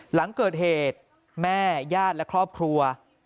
หลังเกิดเหตุแม่ญาติและครอบครัว